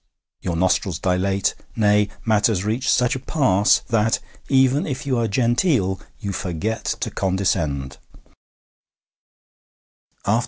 Your nostrils dilate nay, matters reach such a pass that, even if you are genteel, you forget to condescend.